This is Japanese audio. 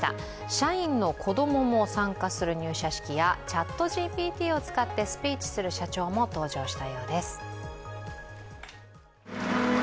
社員の子供も参加する入社式やＣｈａｔＧＰＴを使ってスピーチする社長も登場したようです。